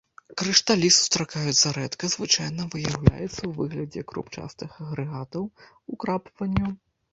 Крышталі сустракаюцца рэдка, звычайна выяўляецца ў выглядзе крупчастых агрэгатаў, украпванняў.